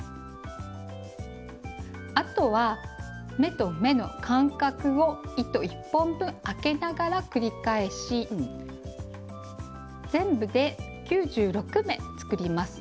あとは目と目の間隔を糸１本分あけながら繰り返し全部で９６目作ります。